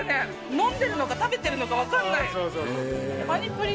飲んでるのか、食べてるのか、分かんない。